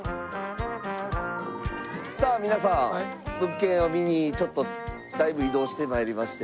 さあ皆さん物件を見にちょっとだいぶ移動して参りまして。